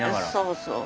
そうそう。